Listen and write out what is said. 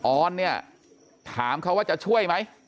ออนเนี่ยถามเขาว่าจะช่วยไหม